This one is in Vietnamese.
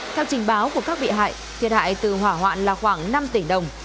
theo trình báo của các bị hại thiệt hại từ hỏa hoạn là khoảng năm tỷ đồng